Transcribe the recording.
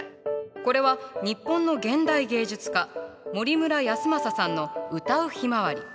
これは日本の現代芸術家森村泰昌さんの「唄うひまわり」。